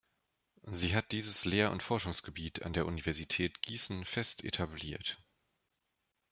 Sie hat dieses Lehr- und Forschungsgebiet an der Universität Gießen fest etabliert.